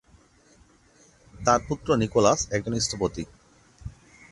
তার পুত্র নিকোলাস একজন স্থপতি।